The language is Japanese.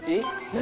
何？